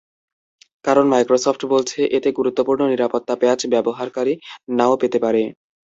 কারণ, মাইক্রোসফট বলছে, এতে গুরুত্বপূর্ণ নিরাপত্তা প্যাঁচ ব্যবহারকারী নাও পেতে পারে।